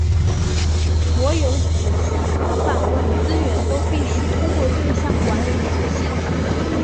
所有子系统访问资源都必须通过对象管理子系统。